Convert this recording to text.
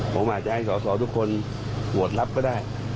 ผมอาจจะให้สอสอทุกคนโหวตรับก็ได้